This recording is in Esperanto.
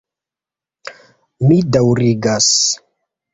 Mi daŭrigas.